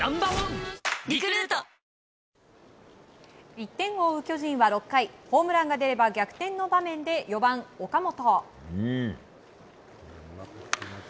１点を追う巨人は６回ホームランが出れば逆転の場面で４番、岡本。